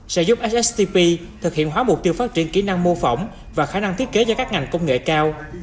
sẽ giúp sstp thực hiện hóa mục tiêu phát triển kỹ năng mô phỏng và khả năng thiết kế cho các ngành công nghệ cao